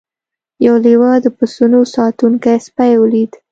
یو لیوه د پسونو ساتونکی سپی ولید.